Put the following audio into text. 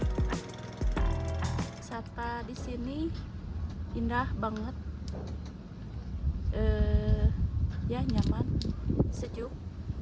wisata disini indah banget ya nyaman sejuk